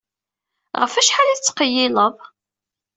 Ɣef wacḥal ay tettqeyyileḍ?